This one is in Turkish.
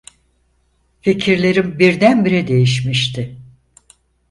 Fikirlerim birdenbire değişmişti.